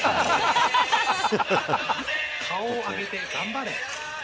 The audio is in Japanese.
顔を上げて頑張れ。